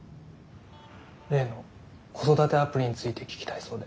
例の子育てアプリについて聞きたいそうで。